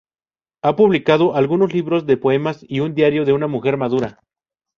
Ha publicado algunos libros de poemas y un "Diario de una mujer madura".